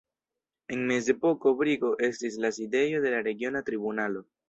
En mezepoko Brigo estis la sidejo de la regiona tribunalo.